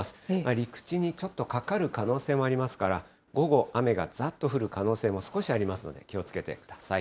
陸地にちょっとかかる可能性もありますから、午後、雨がざっと降る可能性も少しありますので、気をつけてください。